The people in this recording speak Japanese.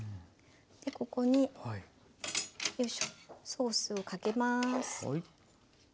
でここにソースをかけます。